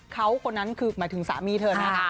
เขาคนนั้นคือหมายถึงสามีเธอนะ